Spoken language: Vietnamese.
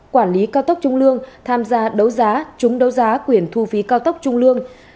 quản lý cao tốc trung lương tham gia đấu giá trúng đấu giá quyền thu phí cao tốc trung lương